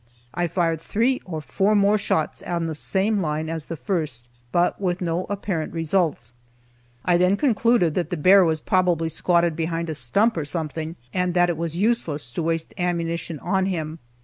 I fired three or four more shots on the same line as the first, but with no apparent results. I then concluded that the bearer was probably squatted behind a stump, or something, and that it was useless to waste ammunition on him.